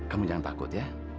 kamu jangan takut ya